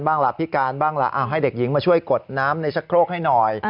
ล่ะพิการบ้างล่ะให้เด็กหญิงมาช่วยกดน้ำในชะโครกให้หน่อย